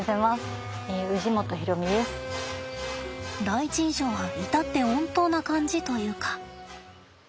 第一印象は至って穏当な感じというか。